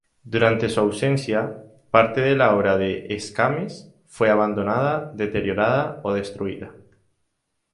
Durante su ausencia, parte de la obra de Escámez fue abandonada, deteriorada o destruida.